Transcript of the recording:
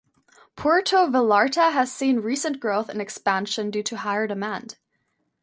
Puerto Vallarta has seen recent growth and expansion due to higher demand.